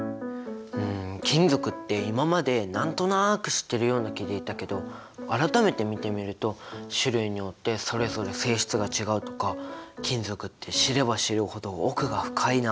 うん金属って今まで何となく知ってるような気でいたけど改めて見てみると種類によってそれぞれ性質が違うとか金属って知れば知るほど奥が深いな！